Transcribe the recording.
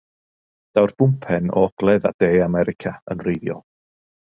Daw'r bwmpen o Ogledd a De America yn wreiddiol.